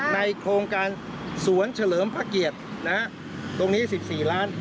ในโครงการสวนเฉลิมพระเกียรติตรงนี้๑๔ล้าน